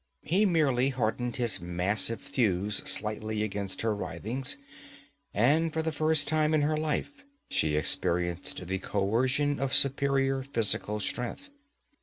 He merely hardened his massive thews slightly against her writhings, and for the first time in her life she experienced the coercion of superior physical strength.